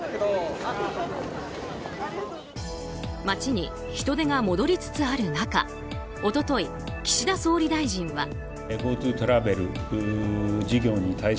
街に人出が戻りつつある中一昨日、岸田総理大臣は。